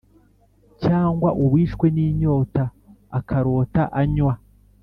cyangwa uwishwe n’inyota, akarota anywa,